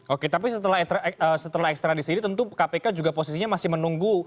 oke tapi setelah extradisi ini tentu kpk juga posisinya masih menunggu